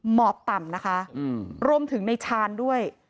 หมอบต่ำนะคะรวมถึงในชาญด้วย